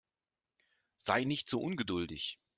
Sei nicht so ungeduldig.